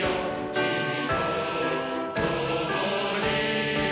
「君と共に」